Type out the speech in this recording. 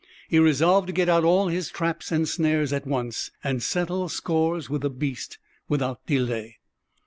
He resolved to get out all his traps and snares at once, and settle scores with the beast without delay.